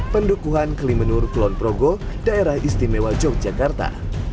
pendukuhan kelimenur kelonprogo daerah istimewa yogyakarta